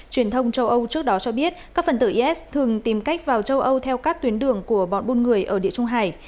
truyền thông châu âu trước đó cho biết các phần tử is thường tìm cách vào châu âu theo các tuyến đường của bọn buôn người ở địa trung hải